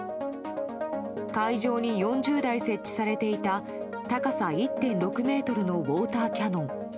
会場に４０台設置されていた高さ１．６ｍのウォーターキャノン。